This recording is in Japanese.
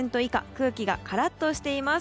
空気がカラッとしています。